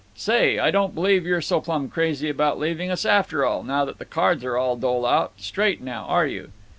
"Say, I don't believe you're so plumb crazy about leaving us, after all, now that the cards are all dole out. Straight now, are you?"